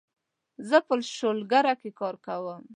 زه په شولګره کې کار کوم